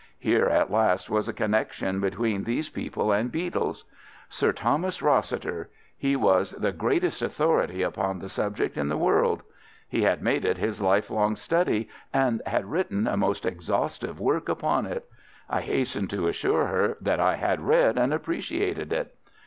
Here, at last, was a connection between these people and beetles. Sir Thomas Rossiter—he was the greatest authority upon the subject in the world. He had made it his life long study, and had written a most exhaustive work upon it. I hastened to assure her that I had read and appreciated it.